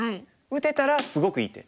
打てたらすごくいい手。